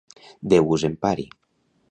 Déu us empari!